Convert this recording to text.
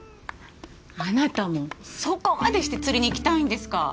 あなたもそこまでして釣りに行きたいんですか？